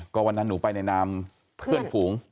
ก็วันนั้นหนูไปในนามเพื่อนฝูง